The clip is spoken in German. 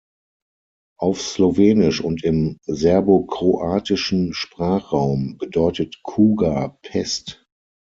Auf Slowenisch und im serbokroatischen Sprachraum bedeutet Kuga Pest.